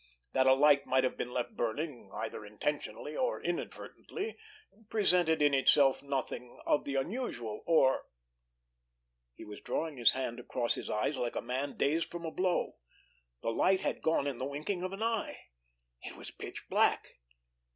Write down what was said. That a light might have been left burning, either intentionally or inadvertently, presented in itself nothing of the unusual, or—— He was drawing his hand across his eyes like a man dazed from a blow. The light had gone in the winking of an eye. It was pitch black.